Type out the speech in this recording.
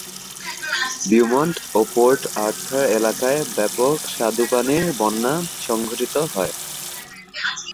Beaumont ও Port Arthur এলাকায় ব্যাপক স্বাদুপানির বন্যা সংঘটিত হয়।